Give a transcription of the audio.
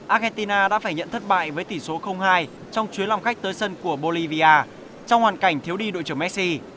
argentina đã phải nhận thất bại với tỷ số hai trong chứa lòng khách tới sân của bolivia trong hoàn cảnh thiếu đi đội trưởng messi